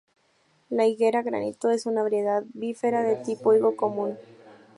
La higuera 'Granito' es una variedad "bífera" de tipo higo común.